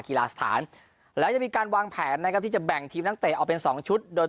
กีฬาสถานแล้วจะมีการวางแผนนะครับที่จะแบ่งทีมนักเตะออกเป็นสองชุดโดย